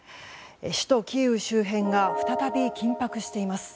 首都キーウ周辺が再び緊迫しています。